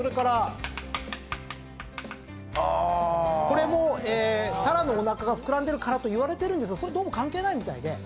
これも鱈のおなかが膨らんでるからといわれてますがそれどうも関係ないみたいで。